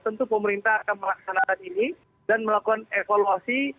tentu pemerintah akan melaksanakan ini dan melakukan evaluasi